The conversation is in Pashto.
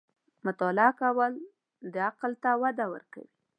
• مطالعه کول، د عقل ته وده ورکوي.